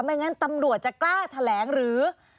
งั้นตำรวจจะกล้าแถลงหรือ